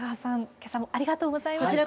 今朝もありがとうございました。